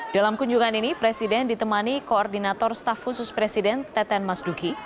dalam kunjungan ini presiden ditemani koordinator staf khusus presiden teten mas duki